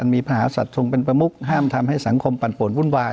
มีพระมหาศัตว์ทรงเป็นประมุกห้ามทำให้สังคมปั่นป่วนวุ่นวาย